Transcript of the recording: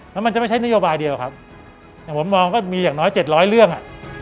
แล้วมันจะไม่ใช่นโยบายเดียวครับอย่างผมมองก็มีอย่างน้อย๗๐๐เรื่องอ่ะ